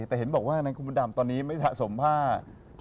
โดยเห็นบอกว่านางคุณบุรดัมตอนนี้ไม่สะสมภาพ